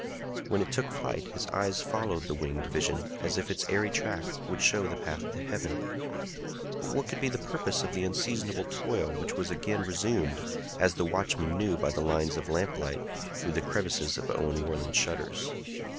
When it took flight his eyes followed the winged vision, as if its airy track would show the path to heaven. But what could be the purpose of the unseasonable toil, which was again resumed, as the watchman knew by the lines of lamplight through the crevices of Owen Warland's shutters?